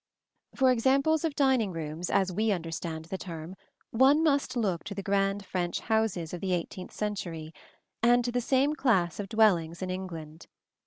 ] For examples of dining rooms, as we understand the term, one must look to the grand French houses of the eighteenth century (see Plate L) and to the same class of dwellings in England.